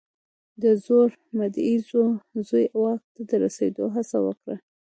د زوړ مدعي زوی واک ته د رسېدو هڅه وکړه.